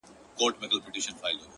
څنگه به هغه له ياده وباسم ـ